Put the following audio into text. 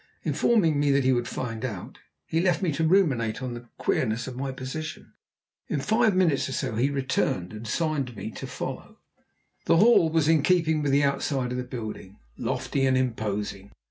Informing me that he would find out, he left me to ruminate on the queerness of my position. In five minutes or so he returned, and signed to me to follow. The hall was in keeping with the outside of the building, lofty and imposing.